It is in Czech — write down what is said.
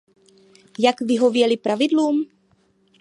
Jak vyhověly pravidlům?